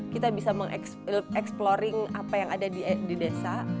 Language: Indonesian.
kita bisa mengeksploring apa yang ada di desa